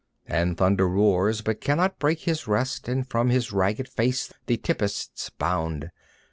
The thunder roars but cannot break his rest And from his rugged face the tempests bound.